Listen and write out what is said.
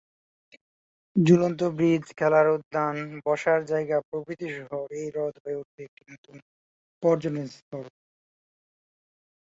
ঝুলন্ত ব্রিজ, খেলার উদ্যান, বসার জায়গা প্রভৃতি সহ এই হ্রদ হয়ে উঠবে একটি নতুন পর্যটন স্থল।